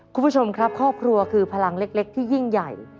คุณผู้ชมครับครอบครัวคือพลังเล็กที่ยิ่งใหญ่